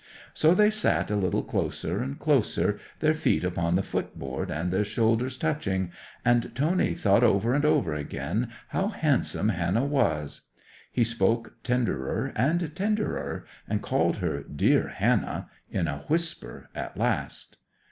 So they sat a little closer and closer, their feet upon the foot board and their shoulders touching, and Tony thought over and over again how handsome Hannah was. He spoke tenderer and tenderer, and called her "dear Hannah" in a whisper at last.